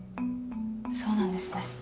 そうなんですね。